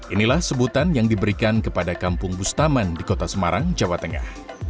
inilah sebutan yang diberikan kepada kampung bustaman di kota semarang jawa tengah